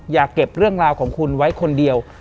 อย่าเก็บเรื่องราวของคุณไว้คนเดียว